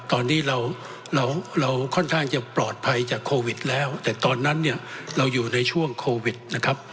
ตอนนี้เราเราค่อนข้างจะปลอดภัยจากโควิดแล้วแต่ตอนนั้นเนี่ยเราอยู่ในช่วงโควิดนะครับ